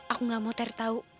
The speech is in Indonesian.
aku gak mau ter tau